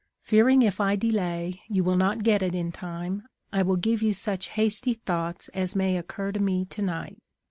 Fearing if I delay, you will not get it in time, I will give you such hasty thoughts as may occur to me to night.